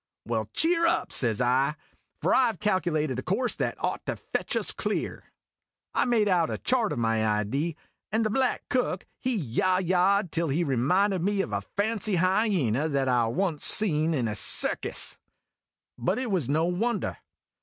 "Well, cheer up," says I; "for I 've calculated a course that oucrht 'er fetch us clear." O I made out a chart of my idee, and the black Cook he "yah yahed " till he reminded me of a fancy hyena what I once seen in a cirkis. But it was no wonder.